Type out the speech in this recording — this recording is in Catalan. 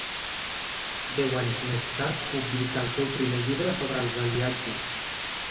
Deu anys més tard publicà el seu primer llibre sobre els aliatges.